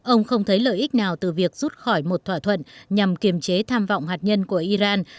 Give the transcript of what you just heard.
ông không thấy lợi ích nào từ việc rút khỏi một thỏa thuận nhằm kiềm chế tham vọng hạt nhân của iran